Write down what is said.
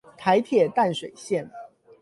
臺鐵淡水線